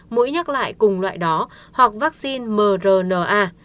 mũi nhắc lại cùng loại đó hoặc vaccine mrna